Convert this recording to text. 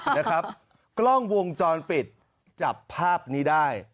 นะครับกล้องวงจรปิดจับภาพนี้ได้